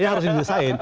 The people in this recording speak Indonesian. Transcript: iya harus didesain